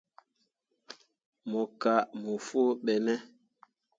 Mo kah mo foo ɓe ne.